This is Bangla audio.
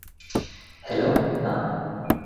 হ্যালো, না!